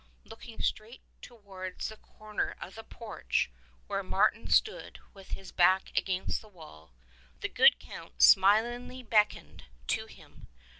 Looking straight to wards the corner of the porch where Martin stood with his back against the wall, the good Count smilingly beckoned to him.